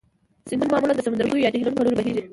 سیندونه معمولا د سمندرګیو یا جهیلونو په لوري بهیږي.